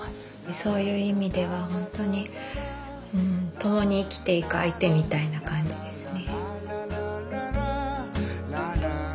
そういう意味ではほんとにともに生きていく相手みたいな感じですね。